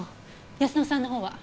泰乃さんの方は？